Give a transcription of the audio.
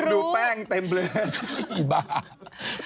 แต่ผมดูแป้งเต็มเลย